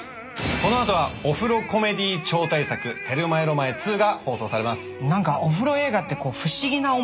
この後はお風呂コメディー超大作『テルマエ・ロマエⅡ』が放送されます。